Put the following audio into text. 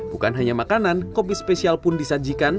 bukan hanya makanan kopi spesial pun disajikan